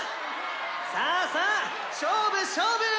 さぁさぁ勝負勝負！」。